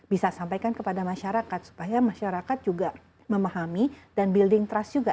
kita bisa sampaikan kepada masyarakat supaya masyarakat juga memahami dan membangun percaya diri juga